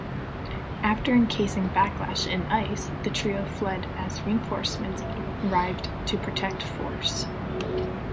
After encasing Blacklash in ice, the trio fled as reinforcements arrived to protect Force.